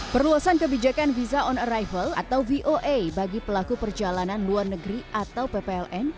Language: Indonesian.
perluasan kebijakan visa on arrival atau voa bagi pelaku perjalanan luar negeri atau ppln